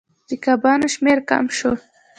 د کبانو شمیر کم شو.